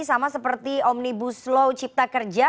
sama seperti omnibus law cipta kerja